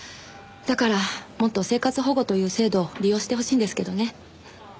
だからもっと生活保護という制度を利用してほしいんですけどね。